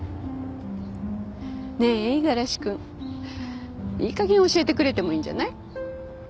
ねえ五十嵐君いいかげん教えてくれてもいいんじゃない？